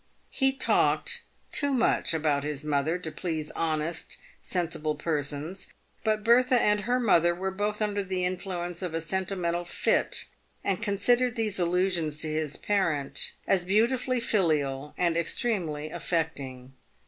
He talked too much about his mother to please honest, sensible persons. But Bertha and her mother were both under the influence of a senti mental fit, and considered these allusions to his parent as beautifully filial, and extremely affecting.